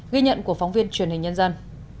ghi nhận của phóng viên truyền hình nhân dân